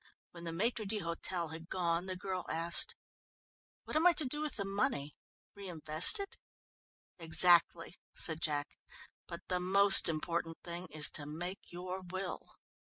When the maître d'hôtel had gone the girl asked: "What am I to do with the money? Reinvest it?" "Exactly," said Jack, "but the most important thing is to make your will."